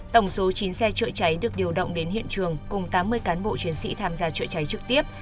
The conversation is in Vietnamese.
tổng số chín xe chữa cháy được điều động đến hiện trường cùng tám mươi cán bộ chiến sĩ tham gia chữa cháy trực tiếp